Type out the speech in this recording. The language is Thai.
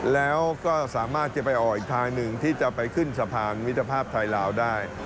แล้วก็สามารถจะไปออกอีกทางหนึ่งที่จะไปขึ้นสะพานมิตรภาพไทยลาวได้